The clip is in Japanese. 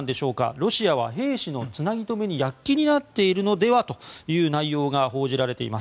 ロシアは兵士のつなぎ止めに躍起になっているのではという内容が報じられています。